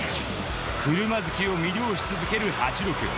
クルマ好きを魅了し続ける８６。